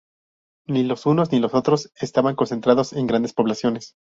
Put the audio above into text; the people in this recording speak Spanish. Ni los unos ni los otros estaban concentrados en grandes poblaciones.